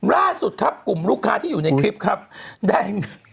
ล่าสุดครับกลุ่มลูกค้าที่อยู่ในคลิปครับได้